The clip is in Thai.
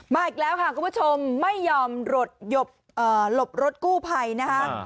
อีกแล้วค่ะคุณผู้ชมไม่ยอมหลบรถกู้ภัยนะคะ